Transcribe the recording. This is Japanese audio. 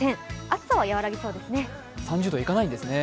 暑さは和らぎそうですね。